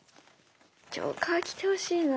ジョーカー来てほしいな。